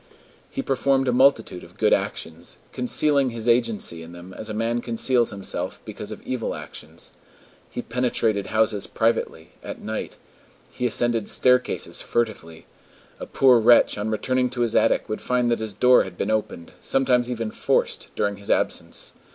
He performed a multitude of good actions, concealing his agency in them as a man conceals himself because of evil actions. He penetrated houses privately, at night; he ascended staircases furtively. A poor wretch on returning to his attic would find that his door had been opened, sometimes even forced, during his absence.